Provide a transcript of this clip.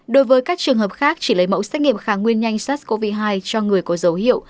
đối với các trường hợp khác chỉ lấy mẫu xét nghiệm kháng nguyên nhanh sars cov hai cho người có dấu hiệu